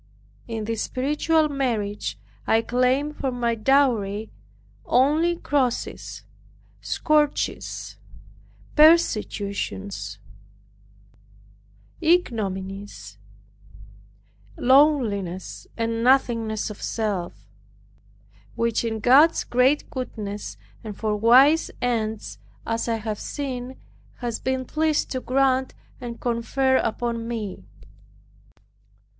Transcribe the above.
In this spiritual marriage I claimed for my dowry only crosses, scourges, persecutions, ignominies, lowliness, and nothingness of self, which in God's great goodness, and for wise ends, as I have seen, has been pleased to grant and confer upon me.